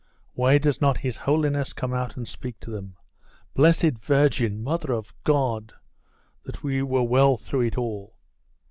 Why does not his holiness come out and speak to them? Blessed virgin, mother of God! that we were well through it all!